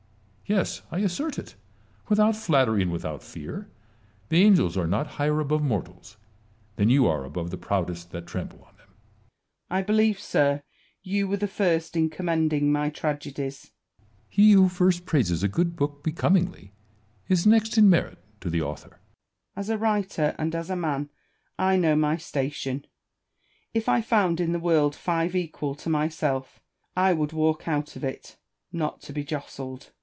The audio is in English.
Yes, I assert it, without flattery and without fear, the angels are not higher above mortals than you are above the proudest that trample on them. Aljieri. I believe, sir, you were the first in commending my tragedies. Salomon. He who first praises a good book becomingly is next in merit to the author. Aljieri. As a writer and as a man I know my station : if I found in the world five equal to myself, I would walk out of it, not to be jostled.